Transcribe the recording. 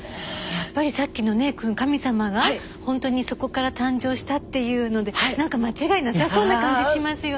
やっぱりさっきのね神様が本当にそこから誕生したっていうので何か間違いなさそうな感じしますよね。